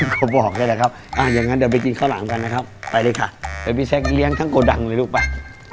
๑๐ก็บอกใช่ไหมครับอย่างนั้นเดี๋ยวไปกินข้าวหลามกันนะครับ